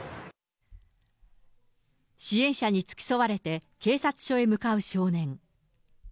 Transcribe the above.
支援者に付き添われて警察署へ向かう少年。